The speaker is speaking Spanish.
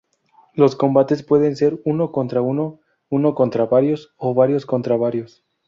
Los combates pueden ser uno contra uno, uno contra varios o varios contra varios.